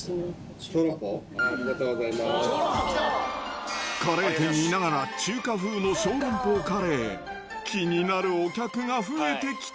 小籠包、カレー店にいながら、中華風の小籠包カレー、気になるお客が増えてきた。